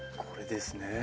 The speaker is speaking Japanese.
これですね。